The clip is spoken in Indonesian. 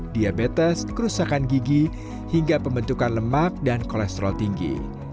diabetes kerusakan gigi hingga pembentukan lemak dan kolesterol tinggi